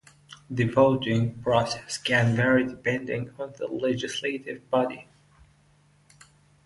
The voting process can vary depending on the legislative body.